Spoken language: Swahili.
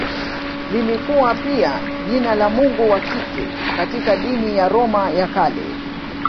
Lilikuwa pia jina la mungu wa kike katika dini ya Roma ya Kale.